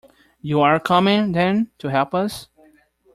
You are coming, then, to help us?